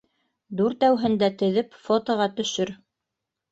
— Дүртәүһен дә теҙеп фотоға төшөр.